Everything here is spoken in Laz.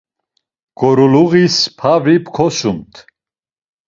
Ǩoruluğis pavri pkosumt.